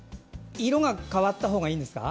色が変わったほうがいいんですか？